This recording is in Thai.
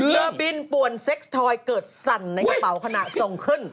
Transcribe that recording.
บินป่วนเซ็กซ์ทอยเกิดสั่นในกระเป๋าขณะส่งขึ้น